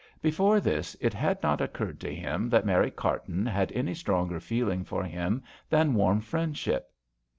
Before this it had not occurred to him that Mary Carton had any stronger feeling for him than warm friendship.